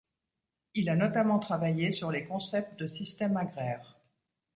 Il a notamment travaillé sur les concept de système agraire.